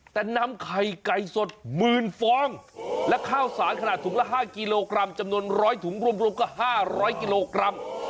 แต่นำไข่ไก่สดหมื่นฟองและข้าวสารขนาดถุงละ๕กิโลกรัมจำนวน๑๐๐ถุงรวมก็๕๐๐กิโลกรัม